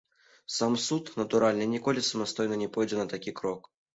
Сам суд, натуральна, ніколі самастойна не пойдзе на такі крок.